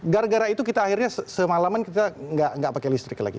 gara gara itu kita akhirnya semalaman kita nggak pakai listrik lagi